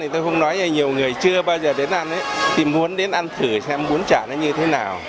tôi không nói nhiều người chưa bao giờ đến ăn thì muốn đến ăn thử xem bún chả nó như thế nào